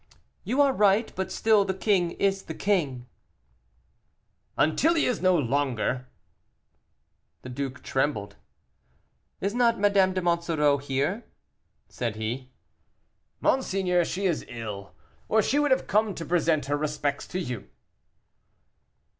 "You are right; but still the king is the king." "Until he is so no longer." The duke trembled. "Is not Madame de Monsoreau here?" said he. "Monseigneur, she is ill, or she would have come to present her respects to you."